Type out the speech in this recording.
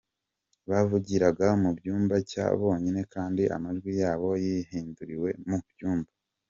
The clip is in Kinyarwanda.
Bavugiraga mu cyumba cya bonyine kandi amajwi yabo yahinduriwe mu byuma.